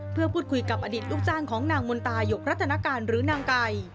เพื่อพูดคุยกับอดีตลูกจ้างของนางมนตายกรัฐนาการหรือนางไก่